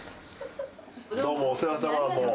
どうもお世話さま。